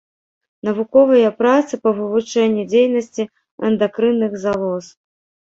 Навуковыя працы па вывучэнні дзейнасці эндакрынных залоз.